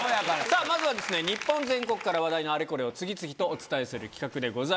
まずはですね日本全国から話題のあれこれを次々とお伝えする企画でございます。